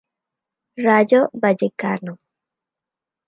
Rayo Vallecano.